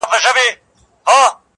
مګر سخت دی دا تلک او ځنځيرونه